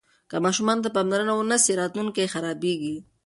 که ماشوم ته پاملرنه ونه سي راتلونکی یې خرابیږي.